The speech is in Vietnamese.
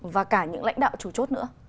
và cả những lãnh đạo chủ chốt nữa